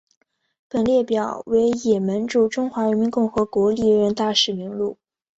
本列表为也门驻中华人民共和国历任大使名录。